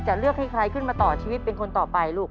เลือกให้ใครขึ้นมาต่อชีวิตเป็นคนต่อไปลูก